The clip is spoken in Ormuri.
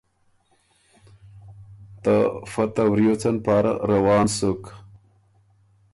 ته فۀ ته وریوڅن پاره روان سُک۔